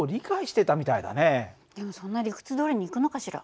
でもそんな理屈どおりにいくのかしら？